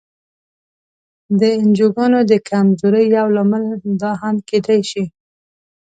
د انجوګانو د کمزورۍ یو لامل دا هم کېدای شي.